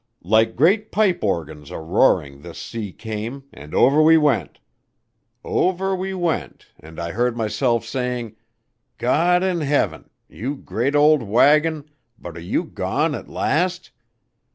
Like great pipe organs aroaring this sea came, and over we went. Over we went, and I heard myself saying: 'God in heaven! You great old wagon, but are you gone at last?'